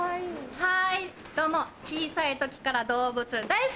はいどうも小さい時から動物大好き！